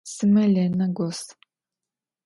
Sime Lene gos.